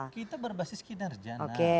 kita berbasis kinerjana oke